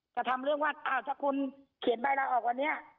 จะทำเรื่องว่าอ้าแค่คุณเขียนใบละออกว่าเนี้ย